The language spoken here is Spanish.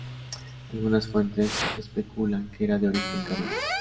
Algunas fuentes especulan que era de origen caribe.